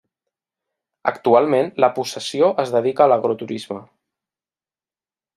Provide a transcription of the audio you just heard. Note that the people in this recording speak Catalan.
Actualment la possessió es dedica a l'agroturisme.